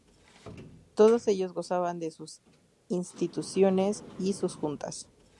Todos ellos gozaban de sus instituciones y sus Juntas.